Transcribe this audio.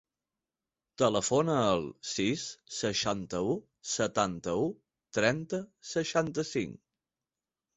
Telefona al sis, seixanta-u, setanta-u, trenta, seixanta-cinc.